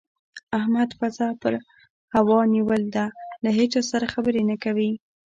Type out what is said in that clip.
احمد پزه په هوا نيول ده؛ له هيچا سره خبرې نه کوي.